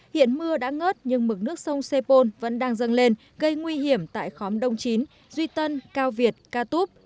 hiện mưa đã ngớt nhưng mực nước sông sepol vẫn đang dâng lên gây nguy hiểm tại khóm đông chín duy tân cao việt ca túp